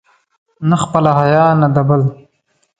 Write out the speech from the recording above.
نه خپله حیا، نه د بل.